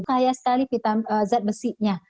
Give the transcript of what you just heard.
kayak sekali zat besinya